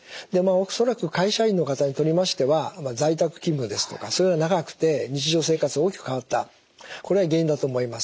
恐らく会社員の方にとりましては在宅勤務ですとかそういうのが長くて日常生活が大きく変わったこれが原因だと思います。